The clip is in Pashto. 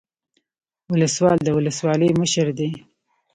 ولسوال د ولسوالۍ مشر دی